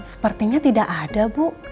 sepertinya tidak ada bu